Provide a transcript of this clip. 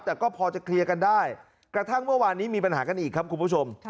แต่ก็พอจะเคลียร์กันได้กระทั่งเมื่อวานนี้มีปัญหากันอีกครับคุณผู้ชม